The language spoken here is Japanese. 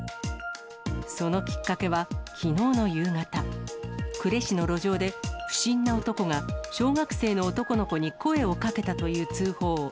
そのきっかけは、きのうの夕方、呉市の路上で、不審な男が小学生の男の子に声をかけたという通報。